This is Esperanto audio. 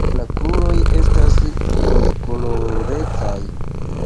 La kruroj estas rozkolorecaj.